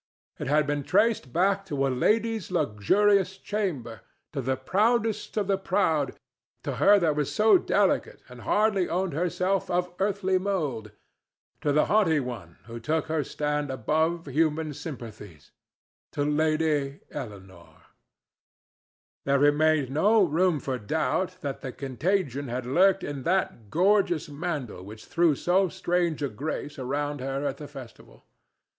It had been traced back to a lady's luxurious chamber, to the proudest of the proud, to her that was so delicate and hardly owned herself of earthly mould, to the haughty one who took her stand above human sympathies—to Lady Eleanore. There remained no room for doubt that the contagion had lurked in that gorgeous mantle which threw so strange a grace around her at the festival.